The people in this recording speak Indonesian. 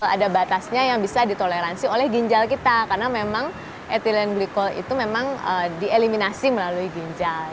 ada batasnya yang bisa ditoleransi oleh ginjal kita karena memang ethylene glycol itu memang dieliminasi melalui ginjal